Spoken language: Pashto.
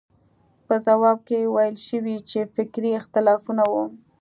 په ځواب کې ویل شوي چې فکري اختلافونه وو.